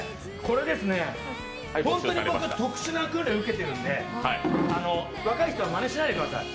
本当に僕、特殊な訓練を受けてるんで若い人はまねしないでください。